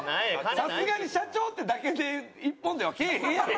さすがに社長ってだけで一本ではけえへんやろ。